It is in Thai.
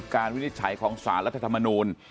การวินิจฉัยของานรัฐธรรมนูร